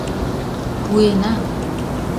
Пуэна.